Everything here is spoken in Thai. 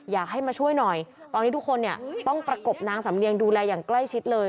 อยากให้มาช่วยหน่อยตอนนี้ทุกคนเนี่ยต้องประกบนางสำเนียงดูแลอย่างใกล้ชิดเลย